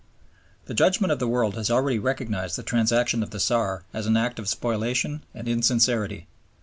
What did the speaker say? The judgment of the world has already recognized the transaction of the Saar as an act of spoliation and insincerity.